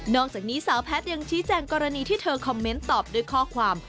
อกจากนี้สาวแพทย์ยังชี้แจงกรณีที่เธอคอมเมนต์ตอบด้วยข้อความ